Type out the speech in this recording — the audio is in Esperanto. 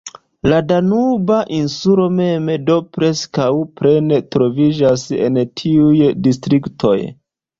La Danuba Insulo mem do preskaŭ plene troviĝas en tiuj distriktoj.